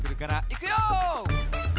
いくよ！